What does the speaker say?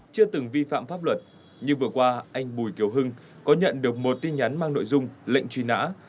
nhưng vừa qua anh bùi kiều hưng có nhận được một tin nhắn mang nội dung lệnh truy nã